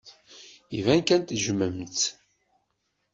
Iban kan tejjmemt-t.